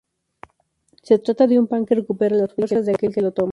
Se trata de un pan que recupera las fuerzas de aquel que lo toma.